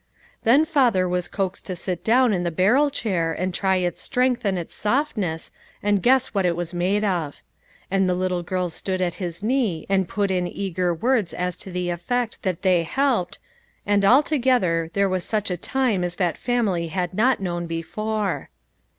Then father was coaxed to sit down in the barrel chair, and try its strength and its soft ness, and guess what it was made of. And the little girls stood at his knee and put in eager words as to the effect that they helped, and altogether, there was such a time as that family had not known before.